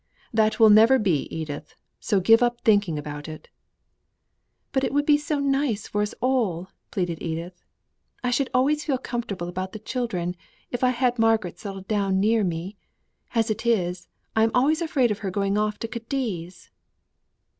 That will never be, Edith, so give up thinking about it." "But it would be so nice for us all," pleaded Edith. "I should always feel comfortable about the children, if I had Margaret settled down near to me. As it is, I am always afraid of her going off to Cadiz."